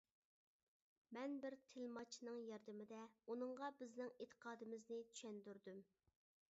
مەن بىر تىلماچنىڭ ياردىمىدە ئۇنىڭغا بىزنىڭ ئېتىقادىمىزنى چۈشەندۈردۈم.